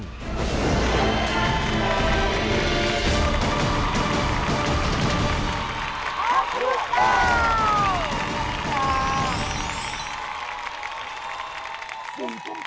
ขอบคุณครับ